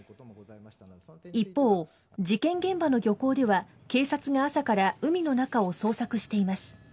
一方、事件現場の漁港では、警察が朝から海の中を捜索しています。